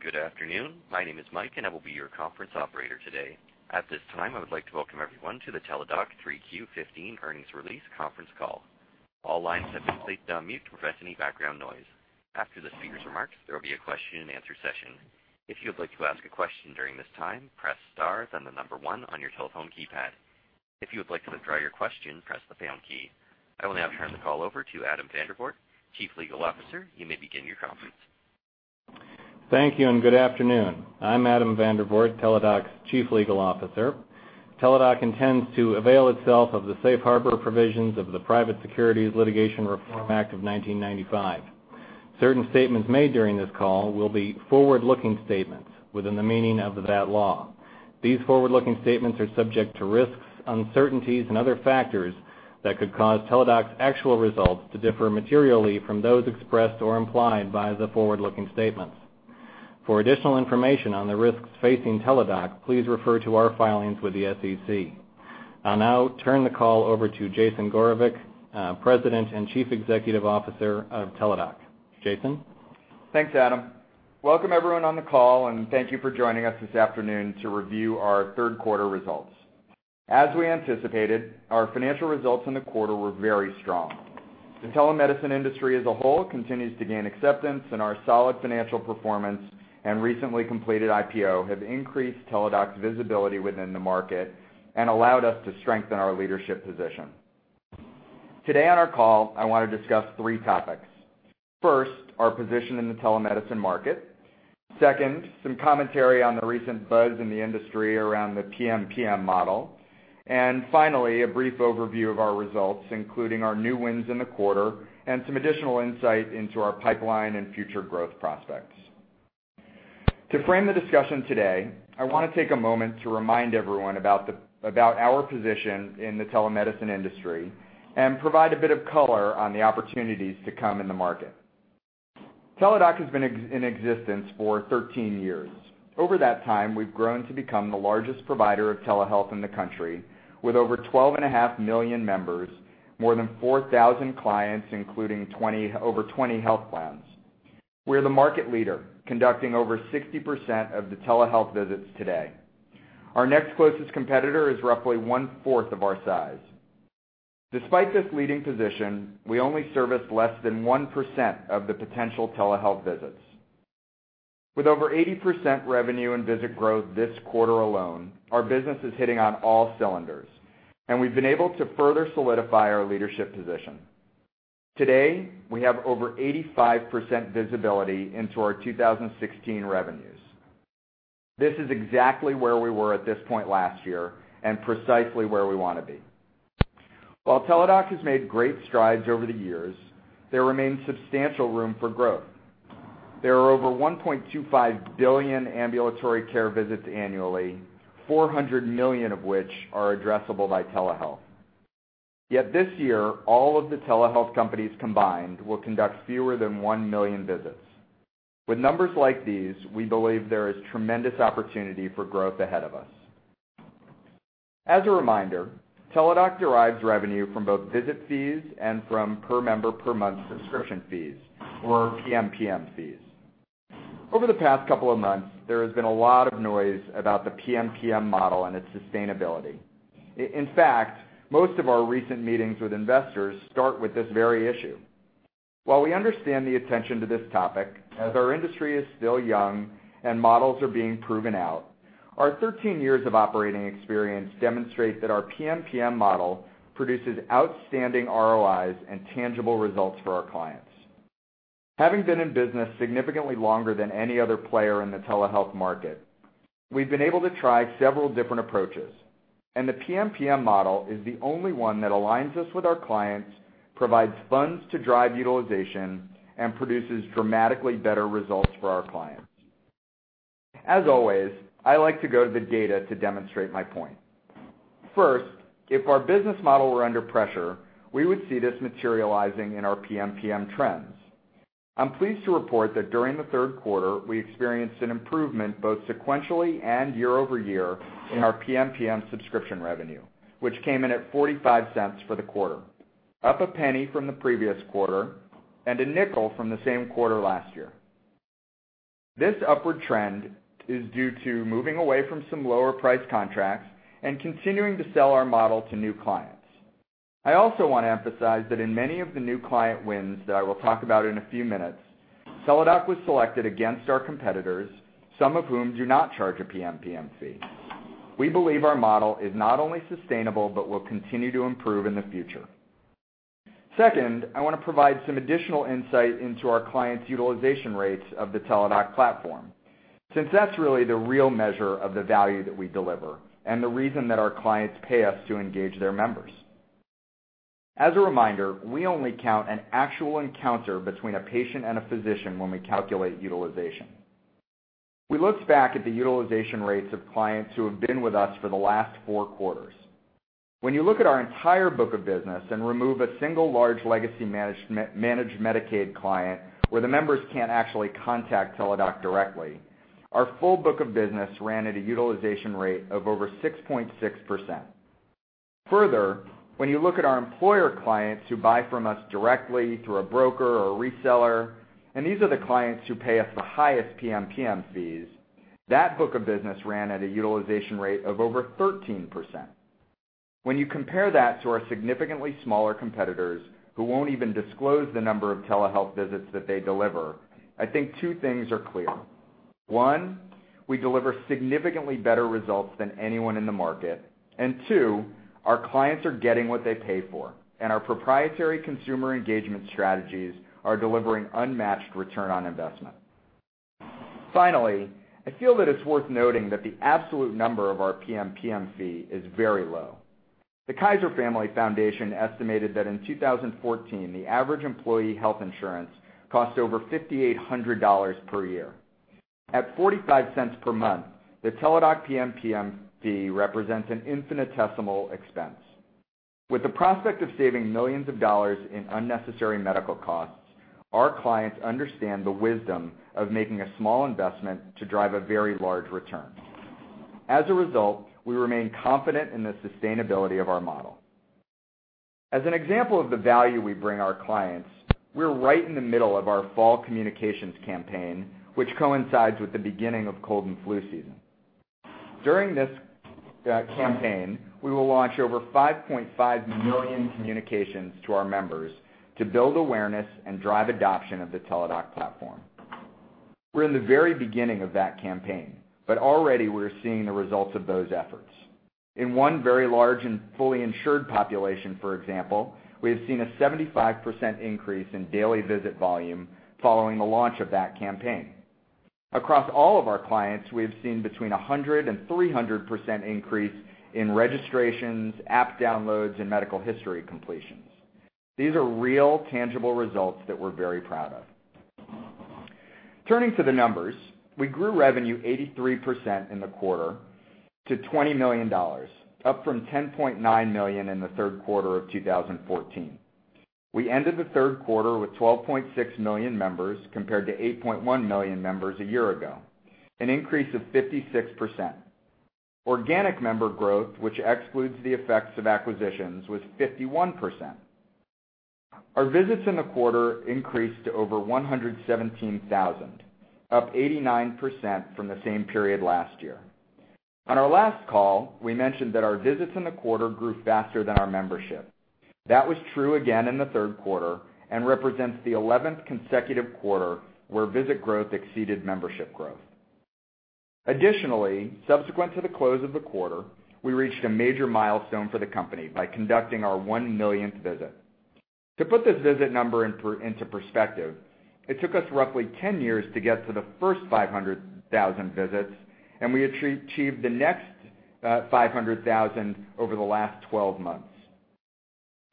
Good afternoon. My name is Mike, and I will be your conference operator today. At this time, I would like to welcome everyone to the Teladoc 3Q 2015 Earnings Release Conference Call. All lines have been placed on mute to prevent any background noise. After the speakers' remarks, there will be a question-and-answer session. If you would like to ask a question during this time, press star, then 1 on your telephone keypad. If you would like to withdraw your question, press the pound key. I will now turn the call over to Adam Vandervoort, chief legal officer. You may begin your conference. Thank you and good afternoon. I'm Adam Vandervoort, Teladoc's chief legal officer. Teladoc intends to avail itself of the safe harbor provisions of the Private Securities Litigation Reform Act of 1995. Certain statements made during this call will be forward-looking statements within the meaning of that law. These forward-looking statements are subject to risks, uncertainties, and other factors that could cause Teladoc's actual results to differ materially from those expressed or implied by the forward-looking statements. For additional information on the risks facing Teladoc, please refer to our filings with the SEC. I'll now turn the call over to Jason Gorevic, president and chief executive officer of Teladoc. Jason? Thanks, Adam. Welcome everyone on the call, and thank you for joining us this afternoon to review our third quarter results. As we anticipated, our financial results in the quarter were very strong. The telemedicine industry as a whole continues to gain acceptance in our solid financial performance, and recently completed IPO have increased Teladoc's visibility within the market and allowed us to strengthen our leadership position. Today on our call, I want to discuss 3 topics. First, our position in the telemedicine market. Second, some commentary on the recent buzz in the industry around the PMPM model. Finally, a brief overview of our results, including our new wins in the quarter and some additional insight into our pipeline and future growth prospects. To frame the discussion today, I want to take a moment to remind everyone about our position in the telemedicine industry and provide a bit of color on the opportunities to come in the market. Teladoc has been in existence for 13 years. Over that time, we've grown to become the largest provider of telehealth in the country, with over 12.5 million members, more than 4,000 clients, including over 20 health plans. We're the market leader, conducting over 60% of the telehealth visits today. Our next closest competitor is roughly one-fourth of our size. Despite this leading position, we only service less than 1% of the potential telehealth visits. With over 80% revenue and visit growth this quarter alone, our business is hitting on all cylinders, and we've been able to further solidify our leadership position. Today, we have over 85% visibility into our 2016 revenues. This is exactly where we were at this point last year and precisely where we want to be. While Teladoc has made great strides over the years, there remains substantial room for growth. There are over 1.25 billion ambulatory care visits annually, 400 million of which are addressable by telehealth. Yet this year, all of the telehealth companies combined will conduct fewer than 1 million visits. With numbers like these, we believe there is tremendous opportunity for growth ahead of us. As a reminder, Teladoc derives revenue from both visit fees and from per member per month subscription fees, or PMPM fees. Over the past couple of months, there has been a lot of noise about the PMPM model and its sustainability. In fact, most of our recent meetings with investors start with this very issue. While we understand the attention to this topic, as our industry is still young and models are being proven out, our 13 years of operating experience demonstrate that our PMPM model produces outstanding ROIs and tangible results for our clients. Having been in business significantly longer than any other player in the telehealth market, we've been able to try several different approaches, and the PMPM model is the only one that aligns us with our clients, provides funds to drive utilization, and produces dramatically better results for our clients. As always, I like to go to the data to demonstrate my point. First, if our business model were under pressure, we would see this materializing in our PMPM trends. I'm pleased to report that during the third quarter, we experienced an improvement both sequentially and year-over-year in our PMPM subscription revenue, which came in at $0.45 for the quarter, up $0.01 from the previous quarter and $0.05 from the same quarter last year. This upward trend is due to moving away from some lower price contracts and continuing to sell our model to new clients. I also want to emphasize that in many of the new client wins that I will talk about in a few minutes, Teladoc was selected against our competitors, some of whom do not charge a PMPM fee. We believe our model is not only sustainable but will continue to improve in the future. Second, I want to provide some additional insight into our clients' utilization rates of the Teladoc platform, since that's really the real measure of the value that we deliver and the reason that our clients pay us to engage their members. As a reminder, we only count an actual encounter between a patient and a physician when we calculate utilization. We looked back at the utilization rates of clients who have been with us for the last four quarters. When you look at our entire book of business and remove a single large legacy managed Medicaid client where the members can't actually contact Teladoc directly, our full book of business ran at a utilization rate of over 6.6%. Further, when you look at our employer clients who buy from us directly through a broker or a reseller, and these are the clients who pay us the highest PMPM fees, that book of business ran at a utilization rate of over 13%. When you compare that to our significantly smaller competitors, who won't even disclose the number of telehealth visits that they deliver, I think two things are clear. One, we deliver significantly better results than anyone in the market, and two, our clients are getting what they pay for, and our proprietary consumer engagement strategies are delivering unmatched return on investment. Finally, I feel that it's worth noting that the absolute number of our PMPM fee is very low. The Kaiser Family Foundation estimated that in 2014, the average employee health insurance cost over $5,800 per year. At $0.45 per month, the Teladoc PMPM fee represents an infinitesimal expense. With the prospect of saving millions of dollars in unnecessary medical costs, our clients understand the wisdom of making a small investment to drive a very large return. As a result, we remain confident in the sustainability of our model. As an example of the value we bring our clients, we're right in the middle of our fall communications campaign, which coincides with the beginning of cold and flu season. During this campaign, we will launch over 5.5 million communications to our members to build awareness and drive adoption of the Teladoc platform. We're in the very beginning of that campaign, already we're seeing the results of those efforts. In one very large and fully insured population, for example, we have seen a 75% increase in daily visit volume following the launch of that campaign. Across all of our clients, we have seen between 100% and 300% increase in registrations, app downloads, and medical history completions. These are real, tangible results that we're very proud of. Turning to the numbers, we grew revenue 83% in the quarter to $20 million, up from $10.9 million in the third quarter of 2014. We ended the third quarter with 12.6 million members compared to 8.1 million members a year ago, an increase of 56%. Organic member growth, which excludes the effects of acquisitions, was 51%. Our visits in the quarter increased to over 117,000, up 89% from the same period last year. On our last call, we mentioned that our visits in the quarter grew faster than our membership. That was true again in the third quarter and represents the 11th consecutive quarter where visit growth exceeded membership growth. Additionally, subsequent to the close of the quarter, we reached a major milestone for the company by conducting our one millionth visit. To put this visit number into perspective, it took us roughly 10 years to get to the first 500,000 visits, we achieved the next 500,000 over the last 12 months.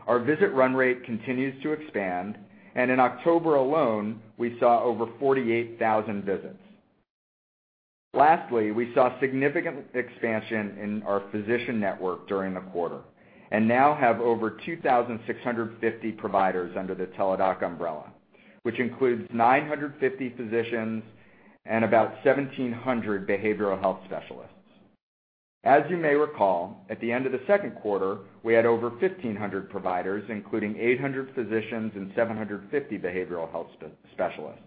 Our visit run rate continues to expand, in October alone, we saw over 48,000 visits. Lastly, we saw significant expansion in our physician network during the quarter and now have over 2,650 providers under the Teladoc umbrella, which includes 950 physicians and about 1,700 behavioral health specialists. As you may recall, at the end of the second quarter, we had over 1,500 providers, including 800 physicians and 750 behavioral health specialists.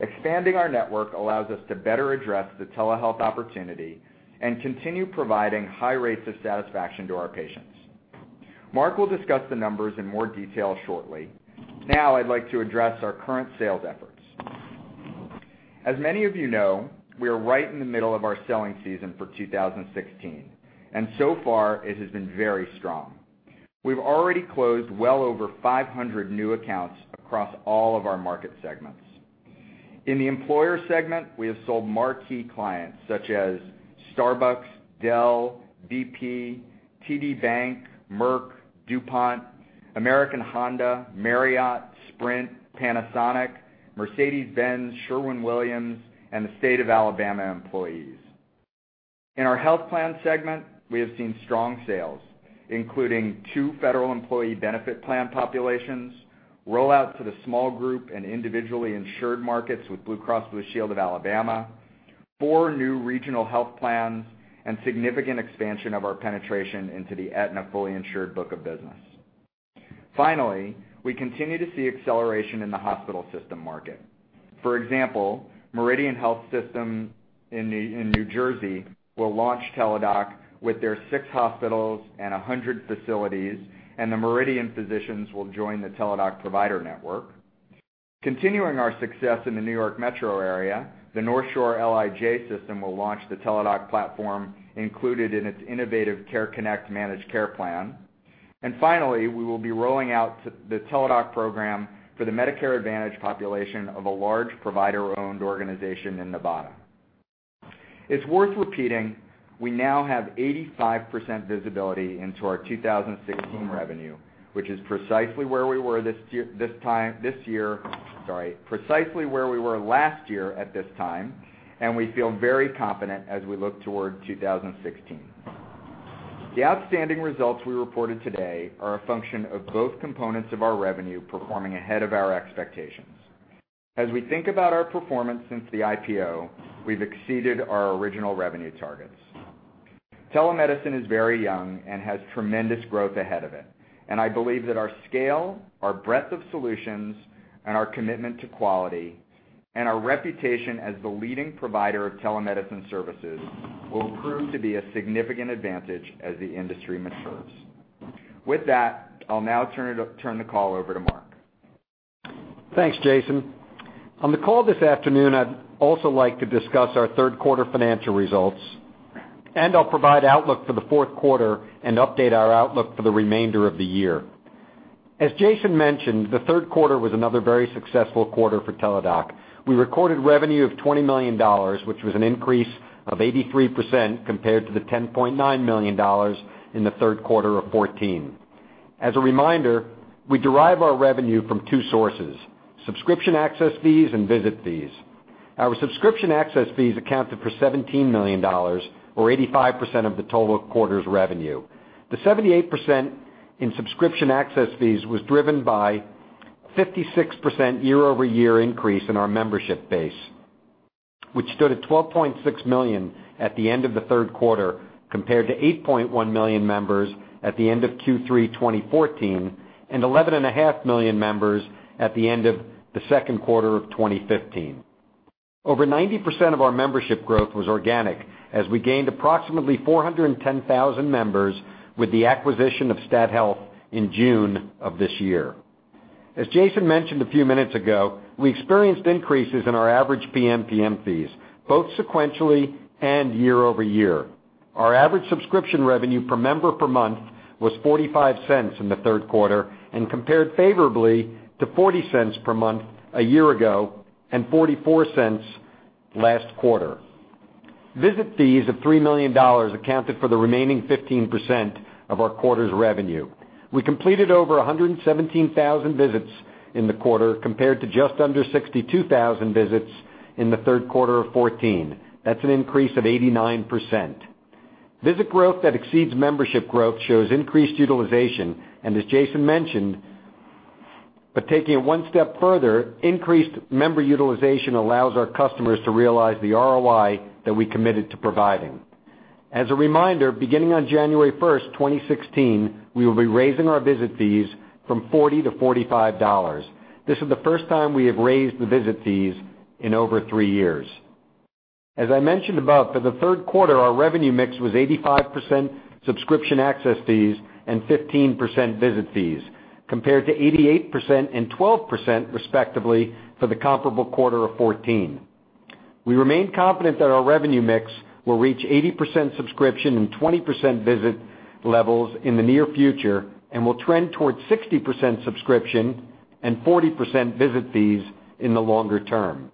Expanding our network allows us to better address the telehealth opportunity and continue providing high rates of satisfaction to our patients. Mark will discuss the numbers in more detail shortly. I'd like to address our current sales efforts. As many of you know, we are right in the middle of our selling season for 2016, and so far it has been very strong. We've already closed well over 500 new accounts across all of our market segments. In the employer segment, we have sold marquee clients such as Starbucks, Dell, BP, TD Bank, Merck, DuPont, American Honda, Marriott, Sprint, Panasonic, Mercedes-Benz, Sherwin-Williams, and the State of Alabama employees. In our health plan segment, we have seen strong sales, including two federal employee benefit plan populations, rollout to the small group and individually insured markets with Blue Cross Blue Shield of Alabama, four new regional health plans, and significant expansion of our penetration into the Aetna fully insured book of business. Finally, we continue to see acceleration in the hospital system market. For example, Meridian Health in New Jersey will launch Teladoc with their six hospitals and 100 facilities, and the Meridian physicians will join the Teladoc provider network. Continuing our success in the New York Metro area, the North Shore-LIJ Health System will launch the Teladoc platform included in its innovative Care Connect managed care plan. Finally, we will be rolling out the Teladoc program for the Medicare Advantage population of a large provider-owned organization in Nevada. It's worth repeating, we now have 85% visibility into our 2016 revenue, which is precisely where we were this year, sorry, precisely where we were last year at this time, and we feel very confident as we look toward 2016. The outstanding results we reported today are a function of both components of our revenue performing ahead of our expectations. As we think about our performance since the IPO, we've exceeded our original revenue targets. Telemedicine is very young and has tremendous growth ahead of it. I believe that our scale, our breadth of solutions, our commitment to quality, and our reputation as the leading provider of telemedicine services will prove to be a significant advantage as the industry matures. With that, I'll now turn the call over to Mark. Thanks, Jason. On the call this afternoon, I'd also like to discuss our third quarter financial results. I'll provide outlook for the fourth quarter and update our outlook for the remainder of the year. As Jason mentioned, the third quarter was another very successful quarter for Teladoc. We recorded revenue of $20 million, which was an increase of 83% compared to the $10.9 million in the third quarter of 2014. As a reminder, we derive our revenue from two sources, subscription access fees and visit fees. Our subscription access fees accounted for $17 million, or 85% of the total quarter's revenue. The 78% in subscription access fees was driven by 56% year-over-year increase in our membership base, which stood at 12.6 million at the end of the third quarter, compared to 8.1 million members at the end of Q3 2014 and 11.5 million members at the end of the second quarter of 2015. Over 90% of our membership growth was organic, as we gained approximately 410,000 members with the acquisition of Stat Health in June of this year. As Jason mentioned a few minutes ago, we experienced increases in our average PMPM fees, both sequentially and year-over-year. Our average subscription revenue per member per month was $0.45 in the third quarter, and compared favorably to $0.40 per month a year ago, and $0.44 last quarter. Visit fees of $3 million accounted for the remaining 15% of our quarter's revenue. We completed over 117,000 visits in the quarter, compared to just under 62,000 visits in the third quarter of 2014. That's an increase of 89%. Visit growth that exceeds membership growth shows increased utilization, as Jason mentioned, but taking it one step further, increased member utilization allows our customers to realize the ROI that we committed to providing. As a reminder, beginning on January 1st, 2016, we will be raising our visit fees from $40 to $45. This is the first time we have raised the visit fees in over three years. As I mentioned above, for the third quarter, our revenue mix was 85% subscription access fees and 15% visit fees, compared to 88% and 12%, respectively, for the comparable quarter of 2014. We remain confident that our revenue mix will reach 80% subscription and 20% visit levels in the near future and will trend towards 60% subscription and 40% visit fees in the longer term.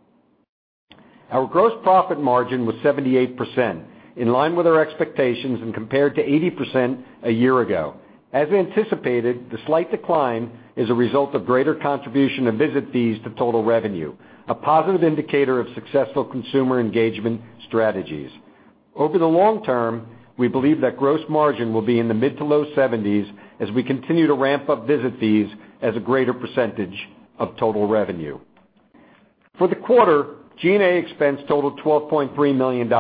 Our gross profit margin was 78%, in line with our expectations and compared to 80% a year ago. As anticipated, the slight decline is a result of greater contribution of visit fees to total revenue, a positive indicator of successful consumer engagement strategies. Over the long term, we believe that gross margin will be in the mid to low 70s as we continue to ramp up visit fees as a greater percentage of total revenue. For the quarter, G&A expense totaled $12.3 million,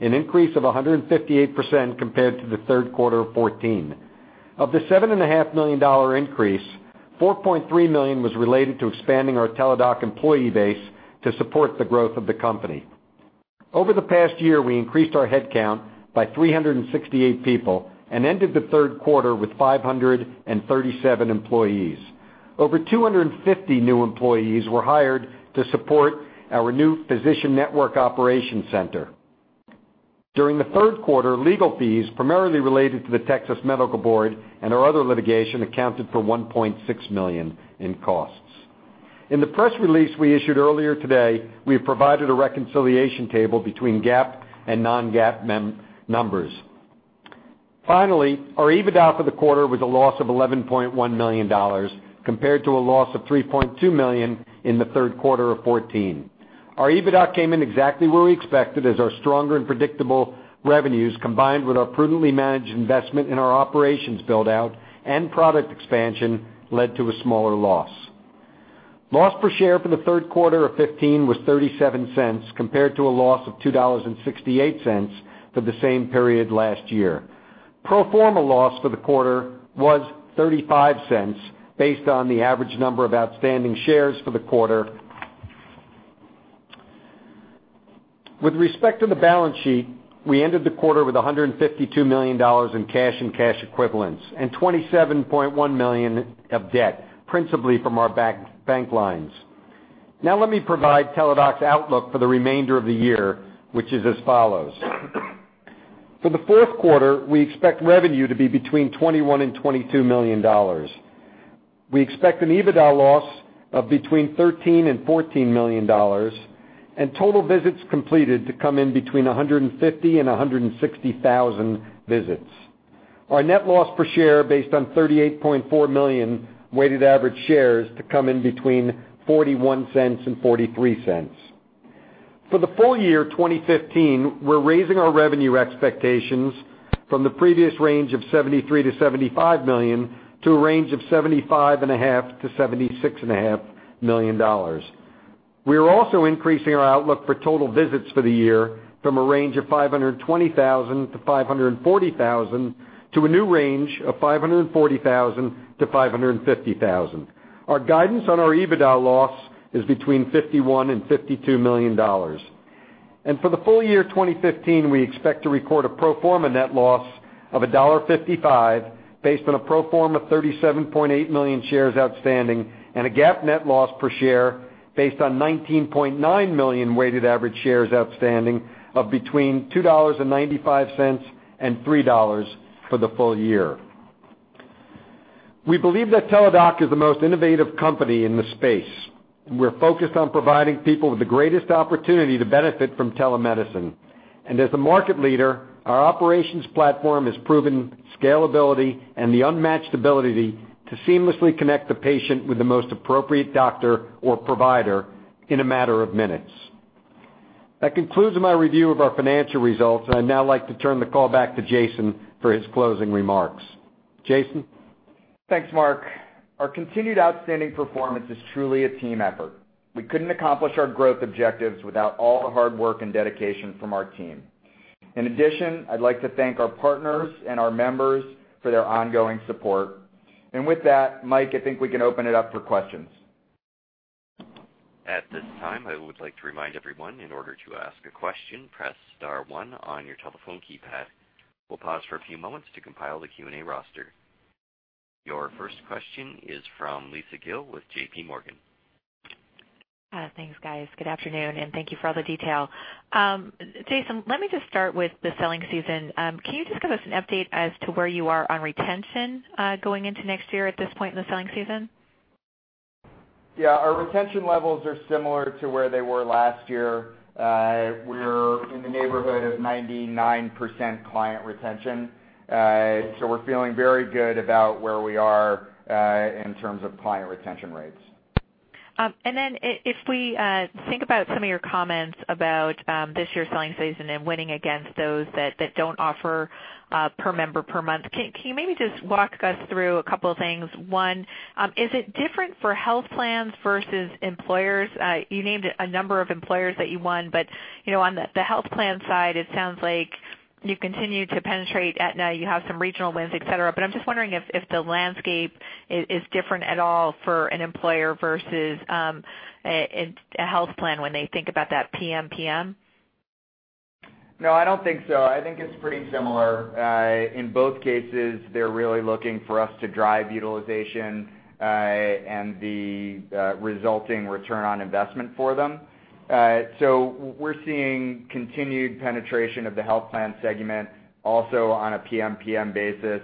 an increase of 158% compared to the third quarter of 2014. Of the $7.5 million increase, $4.3 million was related to expanding our Teladoc employee base to support the growth of the company. Over the past year, we increased our headcount by 368 people and ended the third quarter with 537 employees. Over 250 new employees were hired to support our new physician network operation center. During the third quarter, legal fees, primarily related to the Texas Medical Board and our other litigation, accounted for $1.6 million in costs. In the press release we issued earlier today, we have provided a reconciliation table between GAAP and non-GAAP numbers. Finally, our EBITDA for the quarter was a loss of $11.1 million, compared to a loss of $3.2 million in the third quarter of 2014. Our EBITDA came in exactly where we expected as our stronger and predictable revenues, combined with our prudently managed investment in our operations build-out and product expansion, led to a smaller loss. Loss per share for the third quarter of 2015 was $0.37, compared to a loss of $2.68 for the same period last year. Pro forma loss for the quarter was $0.35, based on the average number of outstanding shares for the quarter. With respect to the balance sheet, we ended the quarter with $152 million in cash and cash equivalents and $27.1 million of debt, principally from our bank lines. Let me provide Teladoc's outlook for the remainder of the year, which is as follows. For the fourth quarter, we expect revenue to be between $21 million and $22 million. We expect an EBITDA loss of between $13 million and $14 million, and total visits completed to come in between 150,000 and 160,000 visits. Our net loss per share based on 38.4 million weighted average shares to come in between $0.41 and $0.43. For the full year 2015, we're raising our revenue expectations from the previous range of $73 million to $75 million to a range of $75.5 million to $76.5 million. We are also increasing our outlook for total visits for the year from a range of 520,000 to 540,000 to a new range of 540,000 to 550,000. Our guidance on our EBITDA loss is between $51 million and $52 million. For the full year 2015, we expect to record a pro forma net loss of $1.55, based on a pro forma 37.8 million shares outstanding and a GAAP net loss per share based on 19.9 million weighted average shares outstanding of between $2.95 and $3 for the full year. We believe that Teladoc is the most innovative company in the space. We're focused on providing people with the greatest opportunity to benefit from telemedicine. As the market leader, our operations platform has proven scalability and the unmatched ability to seamlessly connect the patient with the most appropriate doctor or provider in a matter of minutes. That concludes my review of our financial results, and I'd now like to turn the call back to Jason for his closing remarks. Jason? Thanks, Mark. Our continued outstanding performance is truly a team effort. We couldn't accomplish our growth objectives without all the hard work and dedication from our team. In addition, I'd like to thank our partners and our members for their ongoing support. With that, Mike, I think we can open it up for questions. At this time, I would like to remind everyone, in order to ask a question, press *1 on your telephone keypad. We'll pause for a few moments to compile the Q&A roster. Your first question is from Lisa Gill with JPMorgan. Thanks, guys. Good afternoon. Thank you for all the detail. Jason, let me just start with the selling season. Can you just give us an update as to where you are on retention going into next year at this point in the selling season? Yeah. Our retention levels are similar to where they were last year. We're in the neighborhood of 99% client retention. We're feeling very good about where we are in terms of client retention rates. If we think about some of your comments about this year's selling season and winning against those that don't offer per member per month, can you maybe just walk us through a couple of things? One, is it different for health plans versus employers? You named a number of employers that you won, but on the health plan side, it sounds like you continue to penetrate Aetna, you have some regional wins, et cetera. I'm just wondering if the landscape is different at all for an employer versus a health plan when they think about that PMPM. No, I don't think so. I think it's pretty similar. In both cases, they're really looking for us to drive utilization, and the resulting return on investment for them. We're seeing continued penetration of the health plan segment also on a PMPM basis.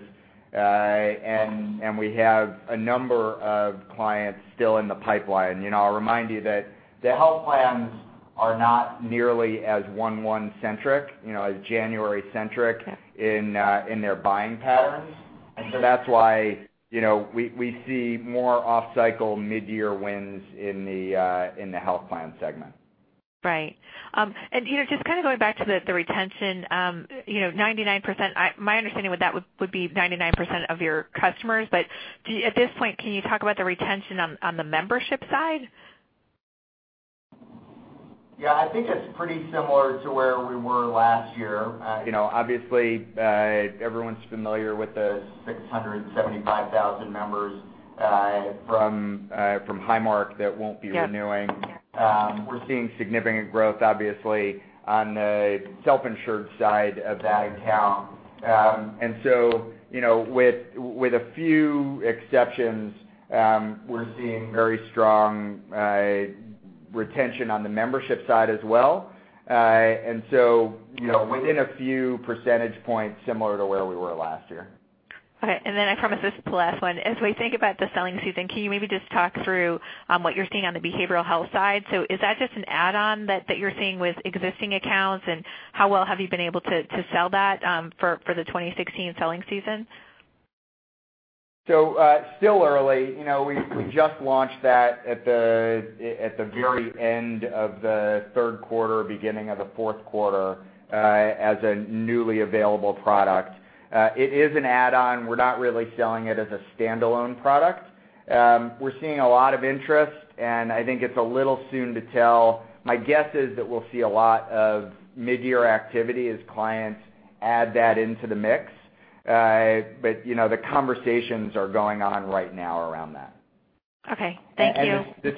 We have a number of clients still in the pipeline. I'll remind you that the health plans are not nearly as 1/1 centric, as January centric in their buying patterns. That's why we see more off-cycle, mid-year wins in the health plan segment. Right. Just kind of going back to the retention, 99%, my understanding with that would be 99% of your customers. At this point, can you talk about the retention on the membership side? Yeah, I think it's pretty similar to where we were last year. Obviously, everyone's familiar with the 675,000 members from Highmark that won't be renewing. Yep. We're seeing significant growth, obviously, on the self-insured side of that account. With a few exceptions, we're seeing very strong retention on the membership side as well. Within a few percentage points similar to where we were last year. Okay. Then I promise this is the last one. As we think about the selling season, can you maybe just talk through what you're seeing on the behavioral health side? Is that just an add-on that you're seeing with existing accounts, and how well have you been able to sell that for the 2016 selling season? Still early. We just launched that at the very end of the third quarter, beginning of the fourth quarter, as a newly available product. It is an add-on. We're not really selling it as a standalone product. We're seeing a lot of interest, and I think it's a little soon to tell. My guess is that we'll see a lot of mid-year activity as clients add that into the mix. The conversations are going on right now around that. Okay. Thank you. The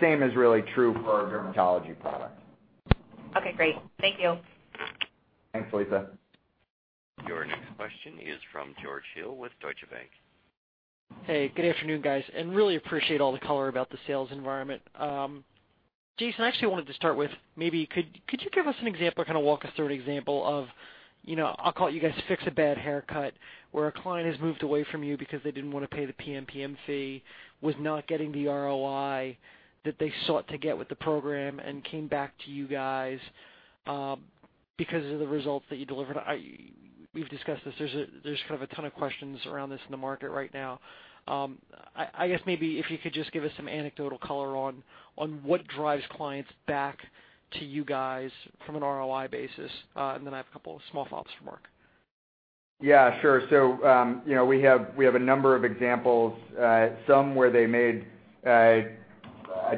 same is really true for our dermatology product. Okay, great. Thank you. Thanks, Lisa. Your next question is from George Hill with Deutsche Bank. Hey, good afternoon, guys. Really appreciate all the color about the sales environment. Jason, I actually wanted to start with, maybe could you give us an example or kind of walk us through an example of, I'll call it you guys fix a bad haircut where a client has moved away from you because they didn't want to pay the PMPM fee, was not getting the ROI that they sought to get with the program and came back to you guys. Because of the results that you delivered. We've discussed this. There's a ton of questions around this in the market right now. I guess maybe if you could just give us some anecdotal color on what drives clients back to you guys from an ROI basis. Then I have a couple of small follow-ups for Mark. Sure. So, we have a number of examples, some where they made a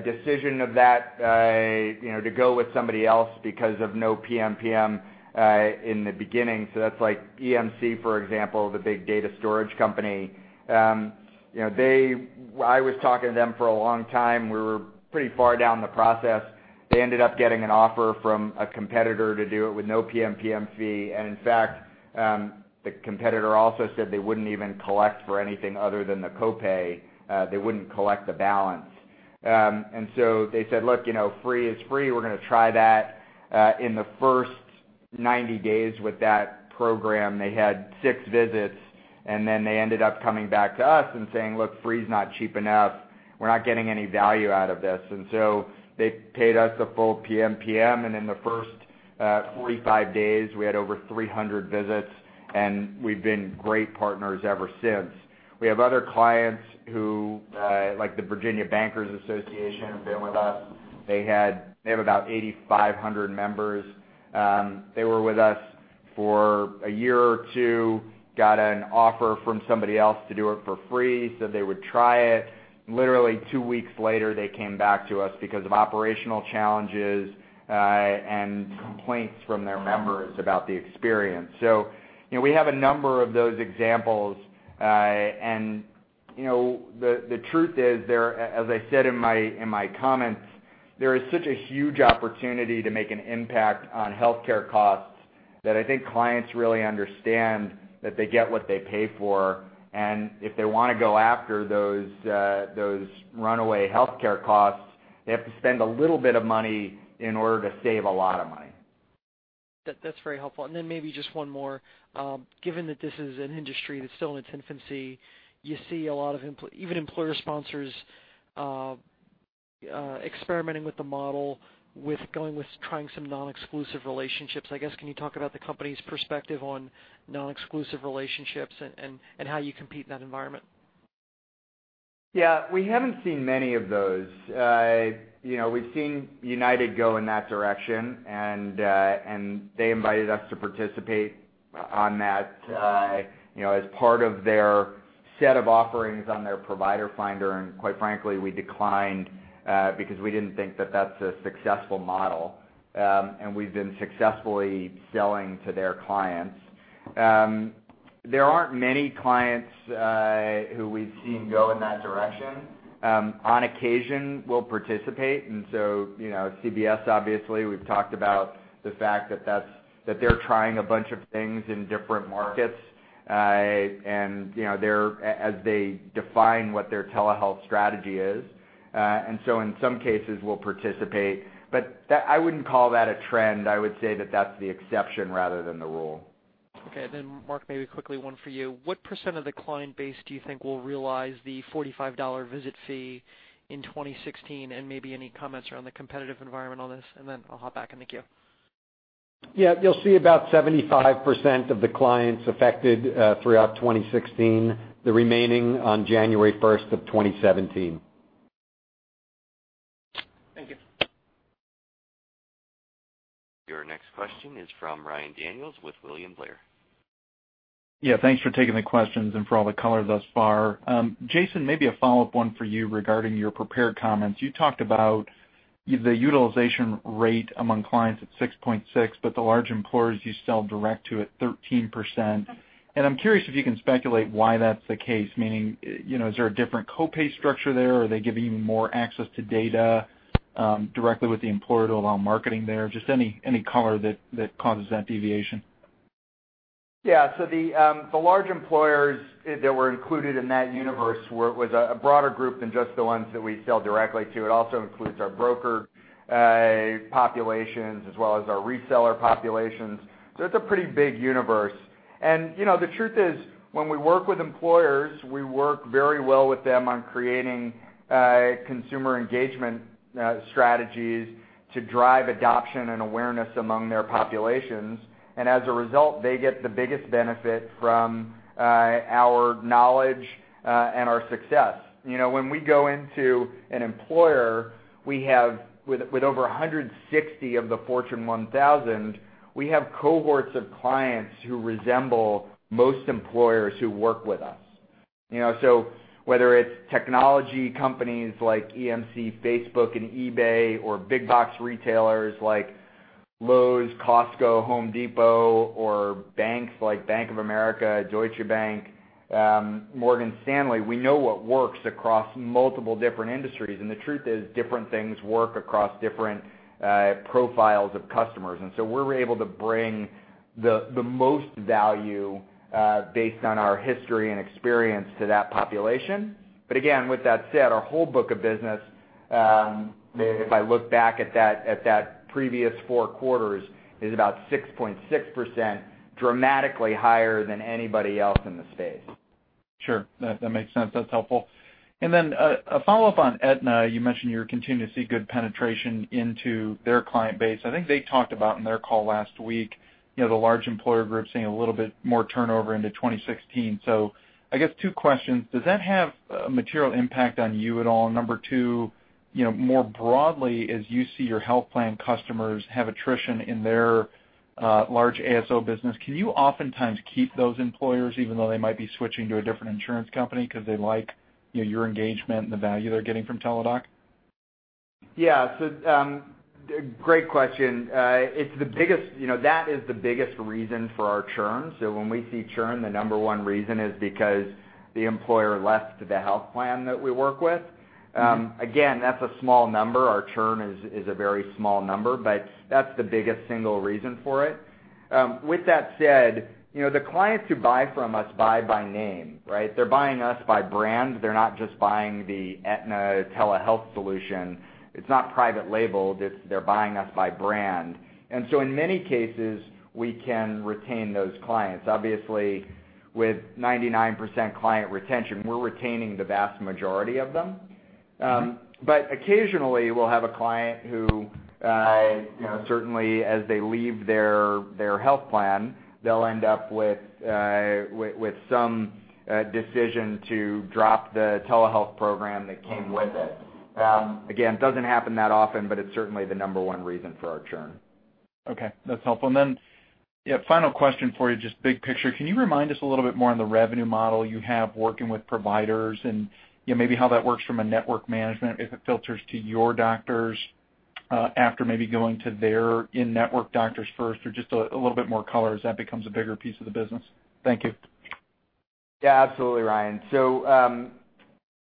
decision to go with somebody else because of no PMPM in the beginning. That's like EMC, for example, the big data storage company. I was talking to them for a long time. We were pretty far down the process. They ended up getting an offer from a competitor to do it with no PMPM fee. In fact, the competitor also said they wouldn't even collect for anything other than the copay. They wouldn't collect the balance. They said, "Look, free is free. We're going to try that." In the first 90 days with that program, they had six visits, and then they ended up coming back to us and saying, "Look, free is not cheap enough. We're not getting any value out of this." They paid us a full PMPM, and in the first 45 days, we had over 300 visits, and we've been great partners ever since. We have other clients, like the Virginia Bankers Association, have been with us. They have about 8,500 members. They were with us for a year or two, got an offer from somebody else to do it for free, said they would try it. Literally two weeks later, they came back to us because of operational challenges and complaints from their members about the experience. We have a number of those examples. The truth is, as I said in my comments, there is such a huge opportunity to make an impact on healthcare costs that I think clients really understand that they get what they pay for, and if they want to go after those runaway healthcare costs, they have to spend a little bit of money in order to save a lot of money. That's very helpful. Then maybe just one more. Given that this is an industry that's still in its infancy, you see a lot of even employer sponsors experimenting with the model, with going with trying some non-exclusive relationships. I guess, can you talk about the company's perspective on non-exclusive relationships and how you compete in that environment? Yeah, we haven't seen many of those. We've seen United go in that direction, and they invited us to participate on that as part of their set of offerings on their provider finder. Quite frankly, we declined because we didn't think that that's a successful model. We've been successfully selling to their clients. There aren't many clients who we've seen go in that direction. On occasion, we'll participate. CVS, obviously, we've talked about the fact that they're trying a bunch of things in different markets as they define what their telehealth strategy is. In some cases, we'll participate, I wouldn't call that a trend. I would say that that's the exception rather than the rule. Okay. Mark, maybe quickly one for you. What percent of the client base do you think will realize the $45 visit fee in 2016, maybe any comments around the competitive environment on this? I'll hop back in the queue. Yeah, you'll see about 75% of the clients affected throughout 2016. The remaining on January 1st of 2017. Thank you. Your next question is from Ryan Daniels with William Blair. Yeah, thanks for taking the questions and for all the color thus far. Jason, maybe a follow-up one for you regarding your prepared comments. You talked about the utilization rate among clients at 6.6%, but the large employers you sell direct to at 13%. I'm curious if you can speculate why that's the case, meaning, is there a different copay structure there? Are they giving you more access to data directly with the employer to allow marketing there? Just any color that causes that deviation. Yeah. The large employers that were included in that universe was a broader group than just the ones that we sell directly to. It also includes our broker populations as well as our reseller populations. It's a pretty big universe. The truth is, when we work with employers, we work very well with them on creating consumer engagement strategies to drive adoption and awareness among their populations. As a result, they get the biggest benefit from our knowledge and our success. When we go into an employer, with over 160 of the Fortune 1000, we have cohorts of clients who resemble most employers who work with us. Whether it's technology companies like EMC, Facebook, and eBay, or big box retailers like Lowe's, Costco, Home Depot, or banks like Bank of America, Deutsche Bank, Morgan Stanley, we know what works across multiple different industries. The truth is, different things work across different profiles of customers. We're able to bring the most value based on our history and experience to that population. Again, with that said, our whole book of business, if I look back at that previous four quarters, is about 6.6%, dramatically higher than anybody else in the space. Sure. That makes sense. That's helpful. A follow-up on Aetna. You mentioned you continue to see good penetration into their client base. I think they talked about in their call last week, the large employer group seeing a little bit more turnover into 2016. I guess two questions. Does that have a material impact on you at all? Number two, more broadly, as you see your health plan customers have attrition in their large ASO business, can you oftentimes keep those employers, even though they might be switching to a different insurance company because they like your engagement and the value they're getting from Teladoc? Yeah. Great question. That is the biggest reason for our churn. When we see churn, the number one reason is because the employer left the health plan that we work with. Again, that's a small number. Our churn is a very small number, but that's the biggest single reason for it. With that said, the clients who buy from us buy by name, right? They're buying us by brand. They're not just buying the Aetna telehealth solution. It's not private label. They're buying us by brand. In many cases, we can retain those clients. Obviously, with 99% client retention, we're retaining the vast majority of them. Occasionally, we'll have a client who, certainly as they leave their health plan, they'll end up with some decision to drop the telehealth program that came with it. Again, doesn't happen that often, but it's certainly the number one reason for our churn. Okay. That's helpful. Yeah, final question for you, just big picture. Can you remind us a little bit more on the revenue model you have working with providers and maybe how that works from a network management, if it filters to your doctors, after maybe going to their in-network doctors first or just a little bit more color as that becomes a bigger piece of the business. Thank you. Yeah, absolutely, Ryan.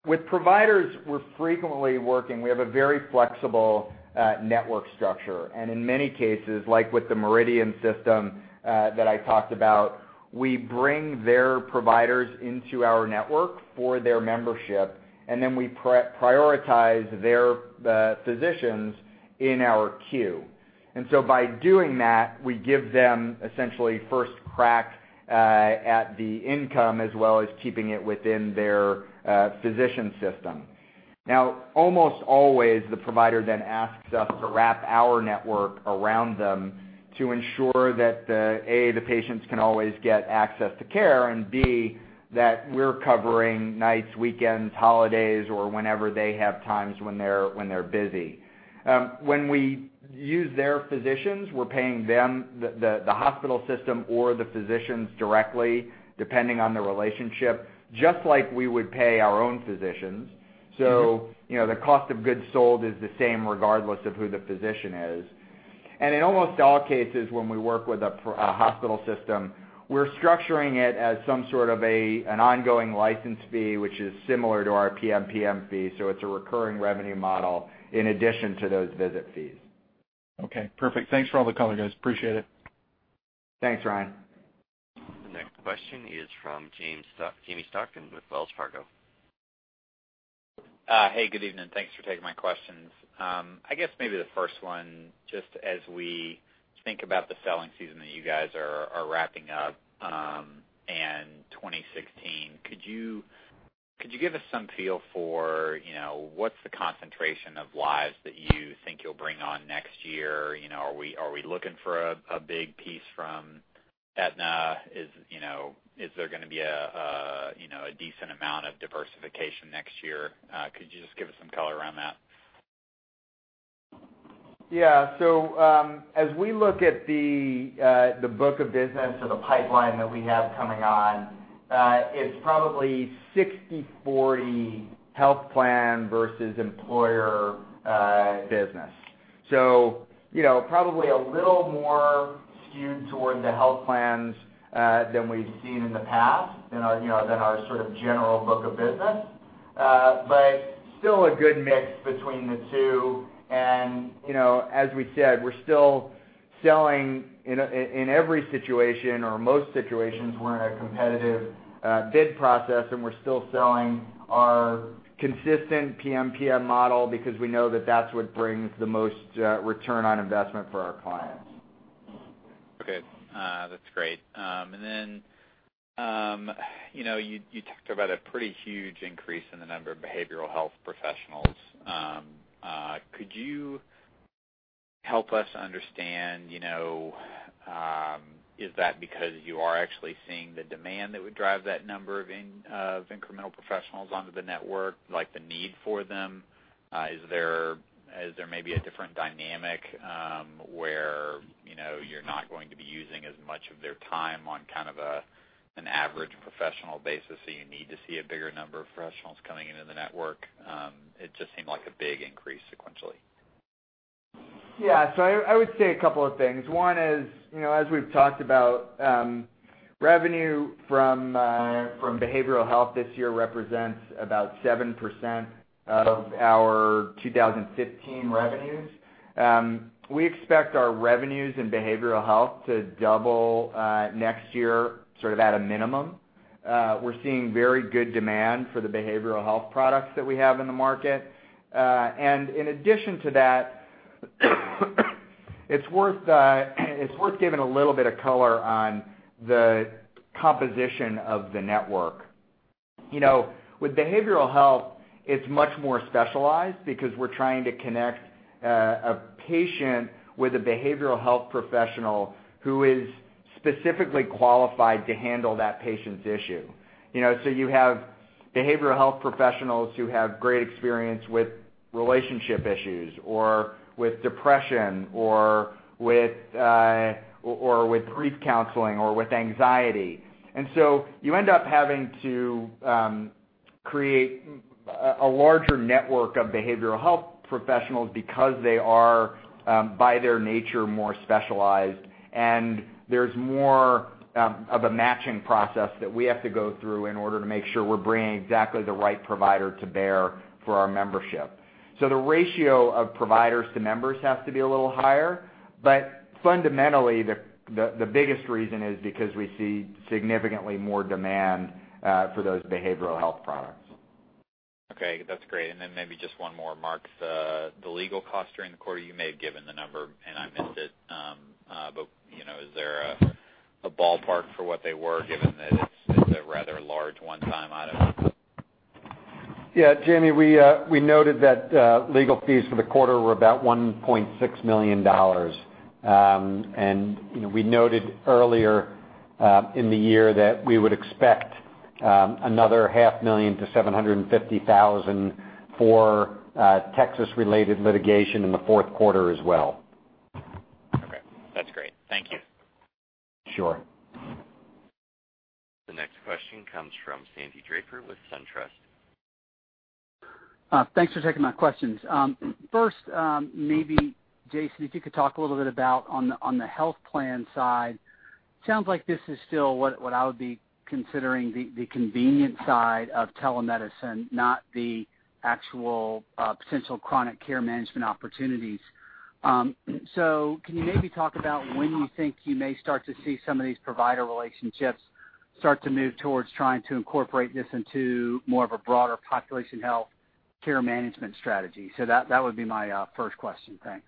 With providers, we're frequently working. We have a very flexible network structure. In many cases, like with the Meridian system that I talked about, we bring their providers into our network for their membership, and then we prioritize their physicians in our queue. By doing that, we give them essentially first crack at the income, as well as keeping it within their physician system. Now, almost always, the provider then asks us to wrap our network around them to ensure that, A, the patients can always get access to care, and B, that we're covering nights, weekends, holidays, or whenever they have times when they're busy. When we use their physicians, we're paying them, the hospital system or the physicians directly, depending on the relationship, just like we would pay our own physicians. The cost of goods sold is the same regardless of who the physician is. In almost all cases, when we work with a hospital system, we're structuring it as some sort of an ongoing license fee, which is similar to our PMPM fee, so it's a recurring revenue model in addition to those visit fees. Okay, perfect. Thanks for all the color, guys. Appreciate it. Thanks, Ryan. The next question is from Jamie Stockton with Wells Fargo. Hey, good evening. Thanks for taking my questions. I guess maybe the first one, just as we think about the selling season that you guys are wrapping up, and 2016, could you give us some feel for what's the concentration of lives that you think you'll bring on next year? Are we looking for a big piece from Aetna? Is there going to be a decent amount of diversification next year? Could you just give us some color around that? Yeah. As we look at the book of business or the pipeline that we have coming on, it's probably 60/40 health plan versus employer business. Probably a little more skewed towards the health plans than we've seen in the past, than our sort of general book of business. Still a good mix between the two. As we said, we're still selling in every situation or most situations, we're in a competitive bid process, and we're still selling our consistent PMPM model because we know that that's what brings the most return on investment for our clients. Okay. That's great. Then, you talked about a pretty huge increase in the number of behavioral health professionals. Could you help us understand, is that because you are actually seeing the demand that would drive that number of incremental professionals onto the network, like the need for them? Is there maybe a different dynamic, where you're not going to be using as much of their time on kind of an average professional basis, so you need to see a bigger number of professionals coming into the network? It just seemed like a big increase sequentially. Yeah. I would say a couple of things. One is, as we've talked about, revenue from behavioral health this year represents about 7% of our 2015 revenues. We expect our revenues in behavioral health to double next year, sort of at a minimum. We're seeing very good demand for the behavioral health products that we have in the market. In addition to that, It's worth giving a little bit of color on the composition of the network. With behavioral health, it's much more specialized because we're trying to connect a patient with a behavioral health professional who is specifically qualified to handle that patient's issue. So you have behavioral health professionals who have great experience with relationship issues, or with depression, or with grief counseling, or with anxiety. You end up having to create a larger network of behavioral health professionals because they are, by their nature, more specialized, and there's more of a matching process that we have to go through in order to make sure we're bringing exactly the right provider to bear for our membership. The ratio of providers to members has to be a little higher, but fundamentally, the biggest reason is because we see significantly more demand for those behavioral health products. Okay, that's great. Then maybe just one more, Mark. The legal costs during the quarter, you may have given the number and I missed it. Is there a ballpark for what they were, given that it's a rather large one-time item? Yeah, Jamie, we noted that legal fees for the quarter were about $1.6 million. We noted earlier in the year that we would expect another half million to $750,000 for Texas-related litigation in the fourth quarter as well. Okay, that's great. Thank you. Sure. The next question comes from Sandy Draper with SunTrust. Thanks for taking my questions. First, maybe Jason, if you could talk a little bit about on the health plan side, sounds like this is still what I would be considering the convenience side of telemedicine, not the actual potential chronic care management opportunities. Can you maybe talk about when you think you may start to see some of these provider relationships start to move towards trying to incorporate this into more of a broader population health care management strategy? That would be my first question. Thanks.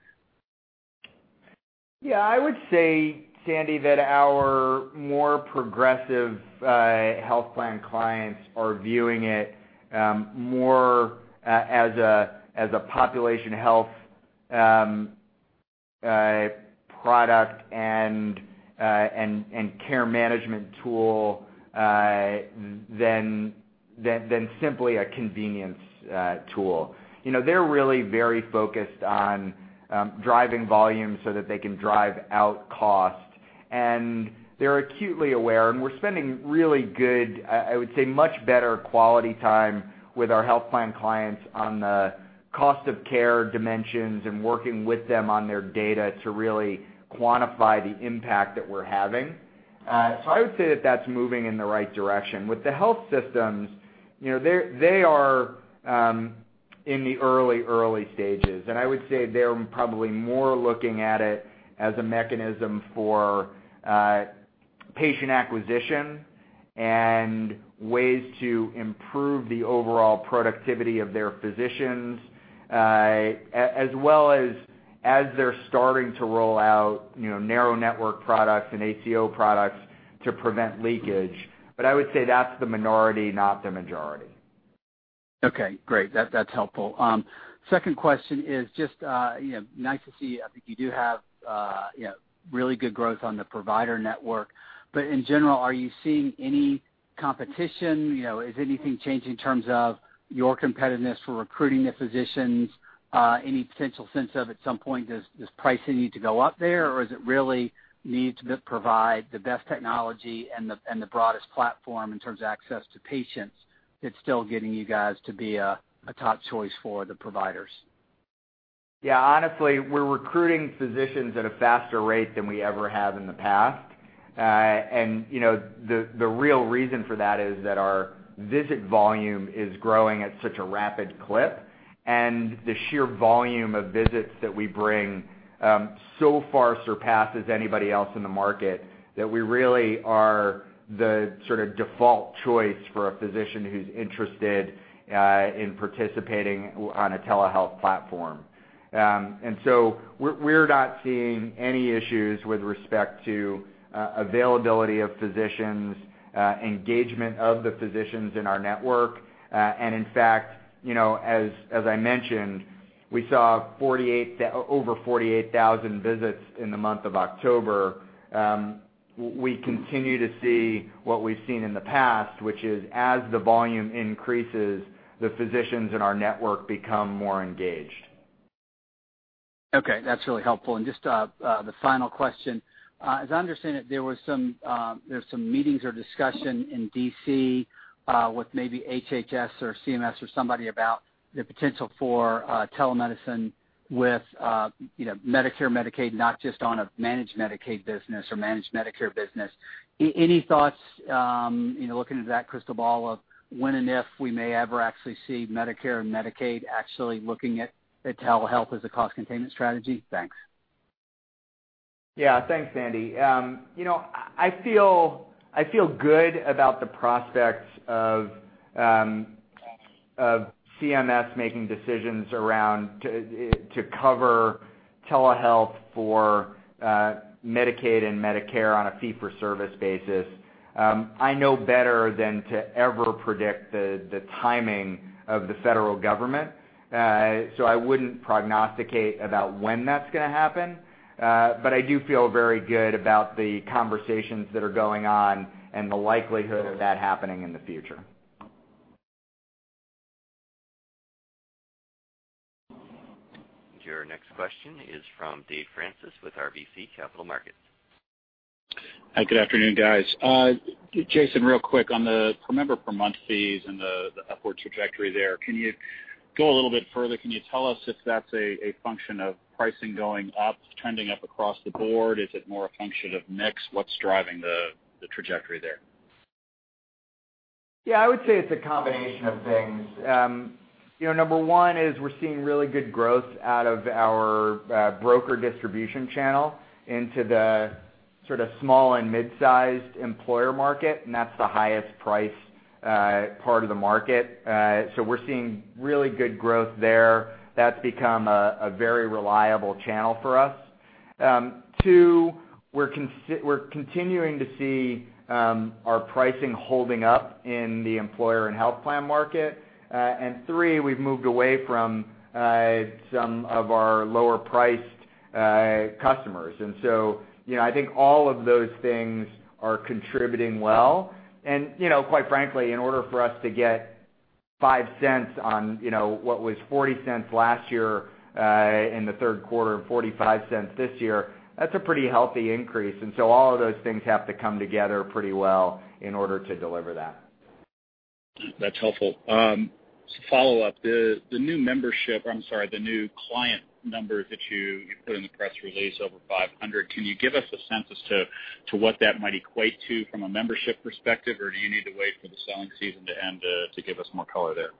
Yeah, I would say, Sandy, that our more progressive health plan clients are viewing it more as a population health product and care management tool than simply a convenience tool. They're really very focused on driving volume so that they can drive out cost. They're acutely aware, and we're spending really good, I would say much better quality time with our health plan clients on the cost of care dimensions and working with them on their data to really quantify the impact that we're having. I would say that that's moving in the right direction. With the health systems, they are in the early stages, and I would say they're probably more looking at it as a mechanism for patient acquisition and ways to improve the overall productivity of their physicians, as well as they're starting to roll out narrow network products and ACO products to prevent leakage. I would say that's the minority, not the majority. Okay, great. That's helpful. Second question is just nice to see, I think you do have really good growth on the provider network. In general, are you seeing any competition? Has anything changed in terms of your competitiveness for recruiting the physicians? Any potential sense of, at some point, does pricing need to go up there, or is it really need to provide the best technology and the broadest platform in terms of access to patients that's still getting you guys to be a top choice for the providers? Yeah, honestly, we're recruiting physicians at a faster rate than we ever have in the past. The real reason for that is that our visit volume is growing at such a rapid clip, and the sheer volume of visits that we bring so far surpasses anybody else in the market, that we really are the sort of default choice for a physician who's interested in participating on a telehealth platform. We're not seeing any issues with respect to availability of physicians, engagement of the physicians in our network. In fact, as I mentioned, we saw over 48,000 visits in the month of October. We continue to see what we've seen in the past, which is as the volume increases, the physicians in our network become more engaged. Okay, that's really helpful. Just the final question. As I understand it, there's some meetings or discussion in D.C. with maybe HHS or CMS or somebody about the potential for telemedicine with Medicare, Medicaid, not just on a managed Medicaid business or managed Medicare business. Any thoughts, looking into that crystal ball of when and if we may ever actually see Medicare and Medicaid actually looking at telehealth as a cost containment strategy? Thanks. Thanks, Sandy. I feel good about the prospects of CMS making decisions around to cover telehealth for Medicaid and Medicare on a fee-for-service basis. I know better than to ever predict the timing of the federal government, I wouldn't prognosticate about when that's going to happen. I do feel very good about the conversations that are going on and the likelihood of that happening in the future. Your next question is from David Francis with RBC Capital Markets. Hi, good afternoon, guys. Jason, real quick, on the per-member per month fees and the upward trajectory there, can you go a little bit further? Can you tell us if that's a function of pricing going up, trending up across the board? Is it more a function of mix? What's driving the trajectory there? I would say it's a combination of things. Number one is we're seeing really good growth out of our broker distribution channel into the sort of small and mid-sized employer market, and that's the highest priced part of the market. We're seeing really good growth there. That's become a very reliable channel for us. Two, we're continuing to see our pricing holding up in the employer and health plan market. Three, we've moved away from some of our lower priced customers. I think all of those things are contributing well, and quite frankly, in order for us to get $0.05 on what was $0.40 last year in the third quarter and $0.45 this year, that's a pretty healthy increase. All of those things have to come together pretty well in order to deliver that. That's helpful. Follow up, the new membership, I'm sorry, the new client numbers that you put in the press release over 500, can you give us a sense as to what that might equate to from a membership perspective, or do you need to wait for the selling season to end to give us more color there?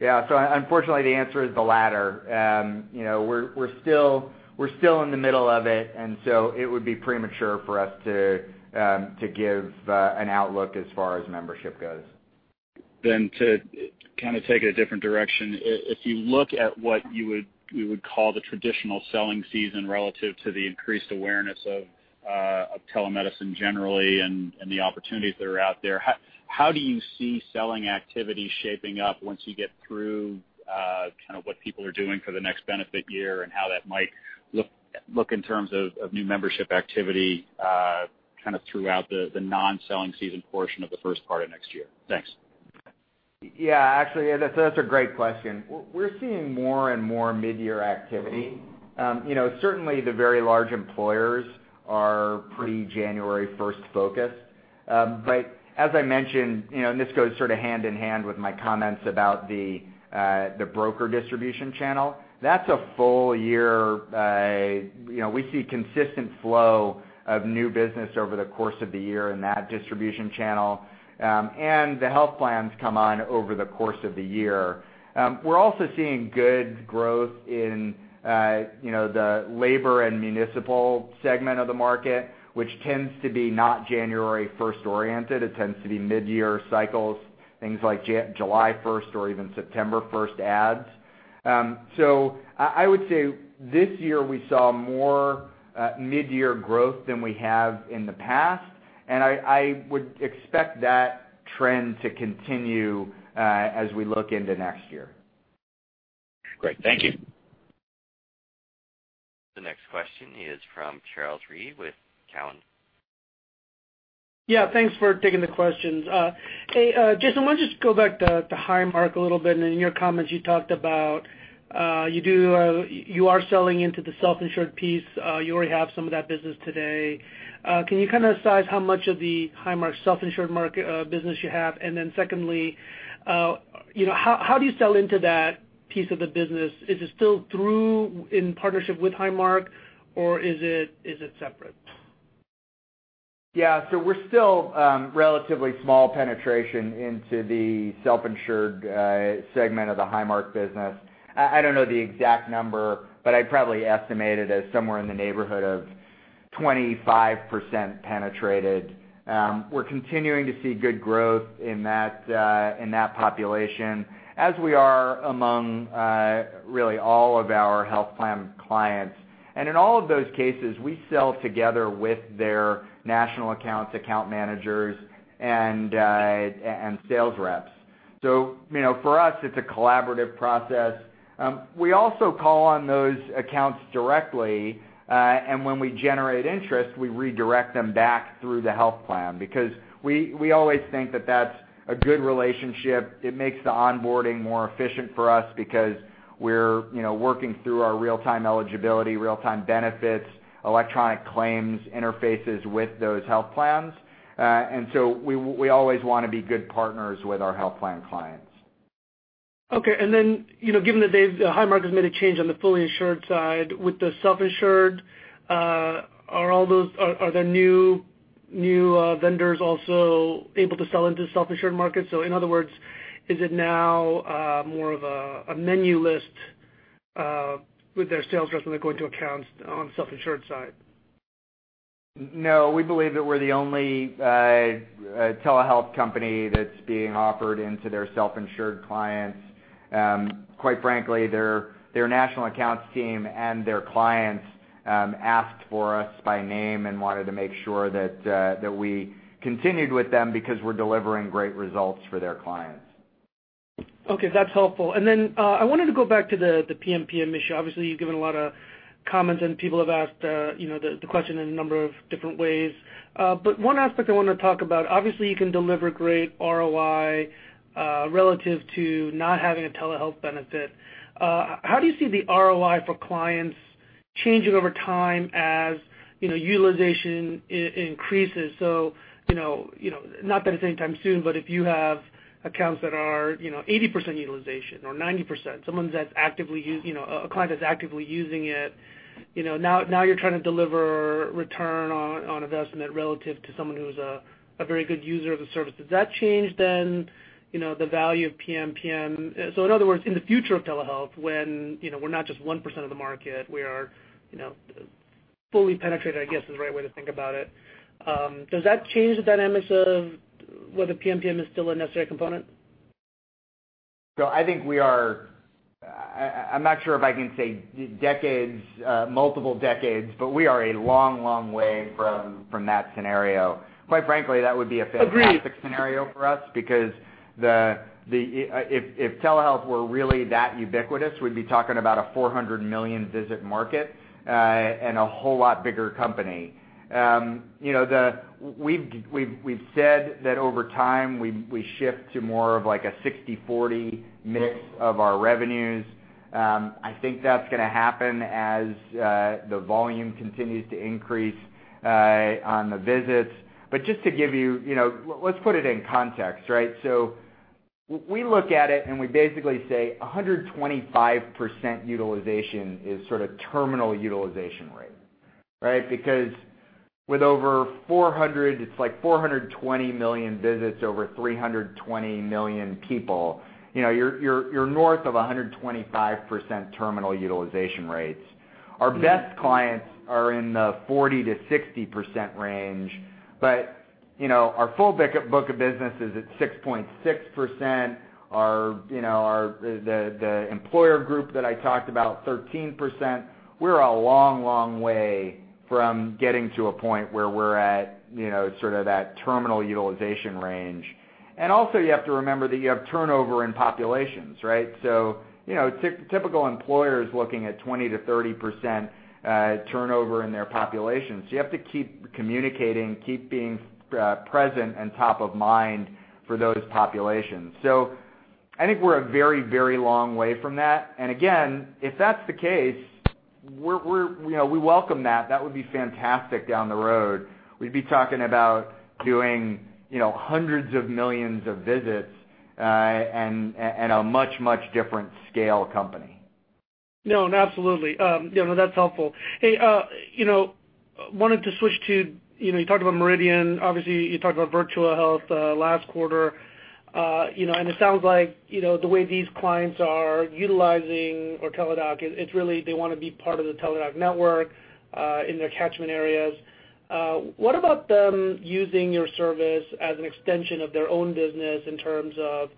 Unfortunately, the answer is the latter. We're still in the middle of it would be premature for us to give an outlook as far as membership goes. To kind of take it a different direction. If you look at what you would call the traditional selling season relative to the increased awareness of telemedicine generally and the opportunities that are out there, how do you see selling activity shaping up once you get through what people are doing for the next benefit year and how that might look in terms of new membership activity throughout the non-selling season portion of the first part of next year? Thanks. Yeah, actually, that's a great question. We're seeing more and more mid-year activity. Certainly the very large employers are pretty January first focused. As I mentioned, and this goes sort of hand in hand with my comments about the broker distribution channel. That's a full year. We see consistent flow of new business over the course of the year in that distribution channel. The health plans come on over the course of the year. We're also seeing good growth in the labor and municipal segment of the market, which tends to be not January first oriented. It tends to be mid-year cycles, things like July first or even September first adds. I would say this year we saw more mid-year growth than we have in the past, and I would expect that trend to continue as we look into next year. Great. Thank you. The next question is from Charles Rhyee with Cowen. Yeah, thanks for taking the questions. Hey, Jason, let me just go back to the Highmark a little bit. In your comments you talked about you are selling into the self-insured piece. You already have some of that business today. Can you kind of size how much of the Highmark self-insured market business you have? Then secondly, how do you sell into that piece of the business? Is it still through in partnership with Highmark, or is it separate? Yeah. We're still relatively small penetration into the self-insured segment of the Highmark business. I don't know the exact number, but I'd probably estimate it as somewhere in the neighborhood of 25% penetrated. We're continuing to see good growth in that population, as we are among really all of our health plan clients. In all of those cases, we sell together with their national accounts, account managers, and sales reps. For us, it's a collaborative process. We also call on those accounts directly, and when we generate interest, we redirect them back through the health plan because we always think that that's a good relationship. It makes the onboarding more efficient for us because we're working through our real-time eligibility, real-time benefits, electronic claims interfaces with those health plans. We always want to be good partners with our health plan clients. Okay. Given that Highmark has made a change on the fully insured side with the self-insured, are there new vendors also able to sell into self-insured markets? In other words, is it now more of a menu list with their sales reps when they're going to accounts on self-insured side? No, we believe that we're the only telehealth company that's being offered into their self-insured clients. Quite frankly, their national accounts team and their clients asked for us by name and wanted to make sure that we continued with them because we're delivering great results for their clients. Okay, that's helpful. I wanted to go back to the PMPM issue. Obviously, you've given a lot of comments, and people have asked the question in a number of different ways. One aspect I want to talk about, obviously, you can deliver great ROI, relative to not having a telehealth benefit. How do you see the ROI for clients changing over time as utilization increases? Not that it's anytime soon, but if you have accounts that are 80% utilization or 90%, a client that's actively using it, now you're trying to deliver return on investment relative to someone who's a very good user of the service. Does that change the value of PMPM? In other words, in the future of telehealth, when we're not just 1% of the market, we are fully penetrated, I guess, is the right way to think about it. Does that change the dynamics of whether PMPM is still a necessary component? I think we are I'm not sure if I can say decades, multiple decades, but we are a long way from that scenario. Quite frankly, that would be a Agreed scenario for us because if telehealth were really that ubiquitous, we'd be talking about a 400 million visit market, and a whole lot bigger company. We've said that over time, we shift to more of like a 60/40 mix of our revenues. I think that's going to happen as the volume continues to increase on the visits. Just to give you, let's put it in context, right? We look at it, and we basically say 125% utilization is sort of terminal utilization rate, right? Because with over 400, it's like 420 million visits over 320 million people, you're north of 125% terminal utilization rates. Our best clients are in the 40%-60% range. Our full book of business is at 6.6%. The employer group that I talked about, 13%. We're a long way from getting to a point where we're at sort of that terminal utilization range. Also, you have to remember that you have turnover in populations, right? Typical employers looking at 20%-30% turnover in their population. You have to keep communicating, keep being present and top of mind for those populations. I think we're a very long way from that. Again, if that's the case, we welcome that. That would be fantastic down the road. We'd be talking about doing hundreds of millions of visits, and a much different scale company. No, absolutely. That's helpful. Hey, wanted to switch to, you talked about Meridian Health, obviously, you talked about Virtual Health last quarter. It sounds like the way these clients are utilizing our Teladoc, it's really they want to be part of the Teladoc network, in their catchment areas. What about them using your service as an extension of their own business in terms of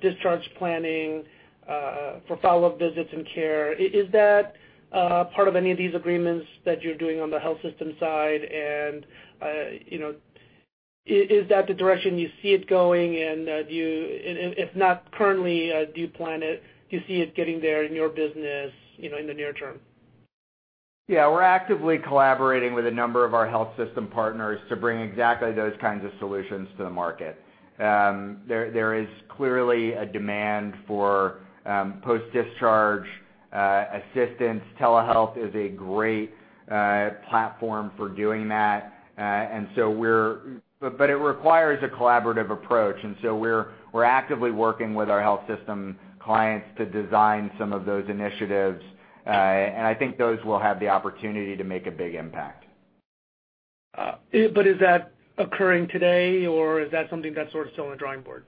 discharge planning, for follow-up visits and care? Is that part of any of these agreements that you're doing on the health system side? Is that the direction you see it going and if not currently, do you plan it? Do you see it getting there in your business, in the near term? Yeah. We're actively collaborating with a number of our health system partners to bring exactly those kinds of solutions to the market. There is clearly a demand for post-discharge assistance. Telehealth is a great platform for doing that. It requires a collaborative approach, we're actively working with our health system clients to design some of those initiatives. I think those will have the opportunity to make a big impact. Is that occurring today, or is that something that's sort of still on the drawing board?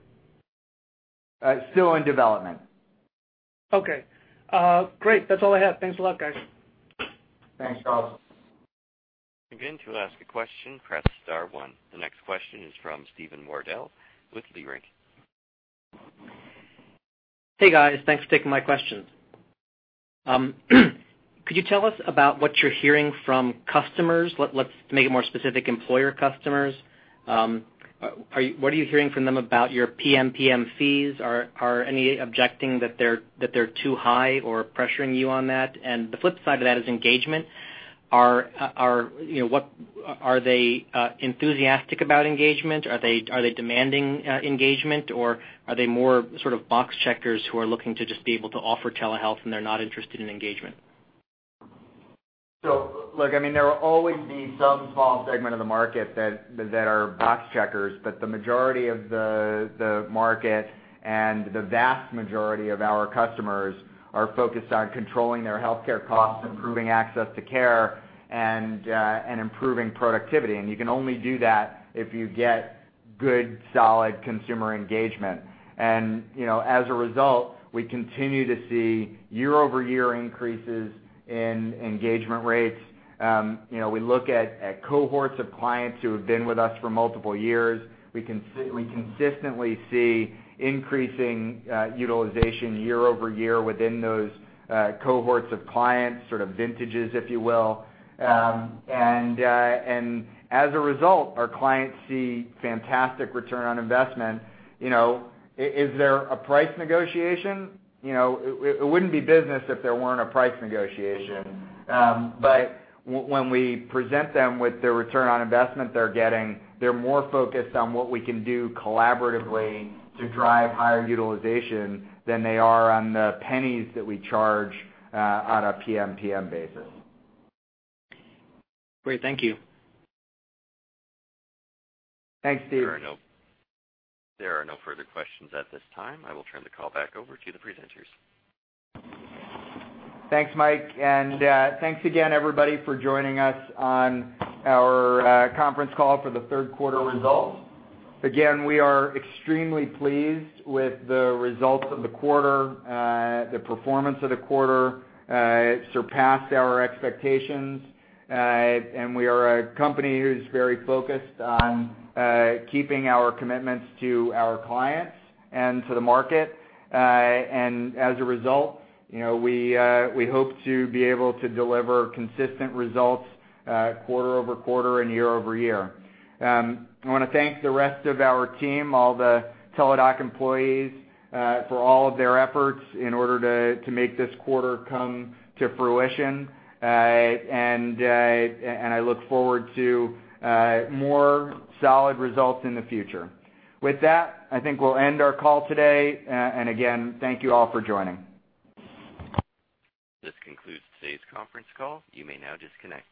Still in development. Okay. Great. That's all I have. Thanks a lot, guys. Thanks, Charles. Again, to ask a question, press star one. The next question is from Steven Wardell with Leerink. Hey, guys. Thanks for taking my questions. Could you tell us about what you're hearing from customers? Let's make it more specific, employer customers. What are you hearing from them about your PMPM fees? Are any objecting that they're too high or pressuring you on that? The flip side of that is engagement. Are they enthusiastic about engagement? Are they demanding engagement, or are they more sort of box checkers who are looking to just be able to offer telehealth, and they're not interested in engagement? Look, there will always be some small segment of the market that are box checkers, the majority of the market and the vast majority of our customers are focused on controlling their healthcare costs, improving access to care, and improving productivity. You can only do that if you get good, solid consumer engagement. As a result, we continue to see year-over-year increases in engagement rates. We look at cohorts of clients who have been with us for multiple years. We consistently see increasing utilization year-over-year within those cohorts of clients, sort of vintages, if you will. As a result, our clients see fantastic return on investment. Is there a price negotiation? It wouldn't be business if there weren't a price negotiation. When we present them with the return on investment they're getting, they're more focused on what we can do collaboratively to drive higher utilization than they are on the pennies that we charge on a PMPM basis. Great. Thank you. Thanks, Steve. There are no further questions at this time. I will turn the call back over to the presenters. Thanks, Mike, and thanks again, everybody, for joining us on our conference call for the third quarter results. Again, we are extremely pleased with the results of the quarter. The performance of the quarter surpassed our expectations. We are a company who's very focused on keeping our commitments to our clients and to the market. As a result, we hope to be able to deliver consistent results quarter-over-quarter and year-over-year. I want to thank the rest of our team, all the Teladoc employees, for all of their efforts in order to make this quarter come to fruition. I look forward to more solid results in the future. With that, I think we'll end our call today. Again, thank you all for joining. This concludes today's conference call. You may now disconnect.